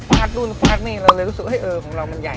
นู่นฟาดนี่เราเลยรู้สึกว่าเออของเรามันใหญ่